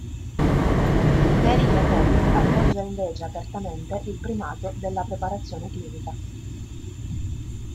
Mary Jacobi appoggia invece apertamente il primato della preparazione clinica.